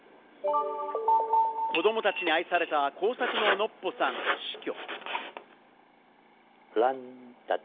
子供たちに愛された、工作のノッポさん死去。